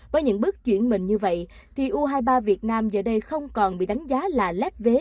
với những bước chuyển mình như vậy thì u hai mươi ba việt nam giờ đây không còn bị đánh giá là lép vế